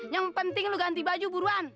yang penting lu ganti baju buruan